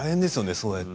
そうやって。